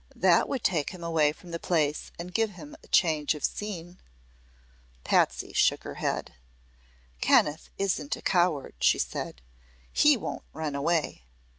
"That would take him away from the place and give him a change of scene." Patsy shook her head. "Kenneth isn't a coward," she said. "He won't run away.